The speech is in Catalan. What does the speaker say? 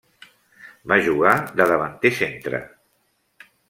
Va jugar de davanter centre.